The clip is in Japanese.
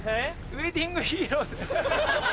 ウエディングヒーローです。